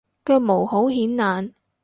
腳毛好顯眼